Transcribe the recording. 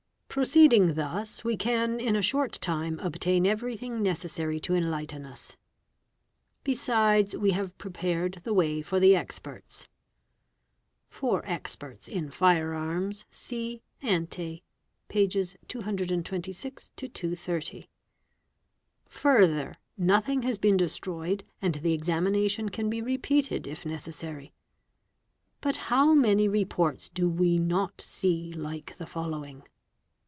'............ i Proceeding thus we can in a short time obtain everything necessar to enlighten us. Besides we have prepared the way for the experts, " Experts in fire arms"', see ante, pp. 226—230). Further, nothing he been destroyed, and the examination can be repeated if necessary. Bi how many reports do we not see like the following